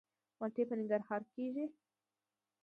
مالټې په ننګرهار کې کیږي